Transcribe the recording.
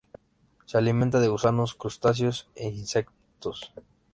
Se alimenta de gusanos, crustáceos e insectos.